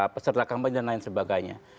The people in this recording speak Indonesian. peserta kampanye dan lain sebagainya